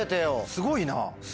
すごいな。